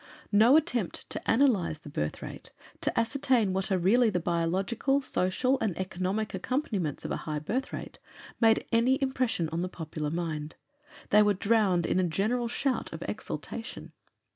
No attempt to analyze the birth rate, to ascertain what are really the biological, social, and economic accompaniments of a high birth rate, made any impression on the popular mind. They were drowned in a general shout of exultation."